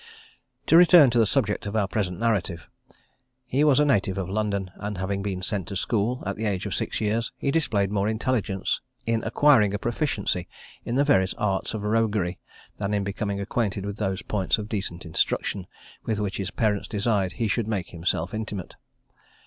To return to the subject of our present narrative: he was a native of London, and having been sent to school at the age of six years, he displayed more intelligence in acquiring a proficiency in the various arts of roguery, than in becoming acquainted with those points of decent instruction, with which his parents desired he should make himself intimate.